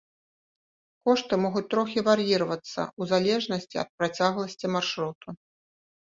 Кошты могуць трохі вар'іравацца ў залежнасці ад працягласці маршруту.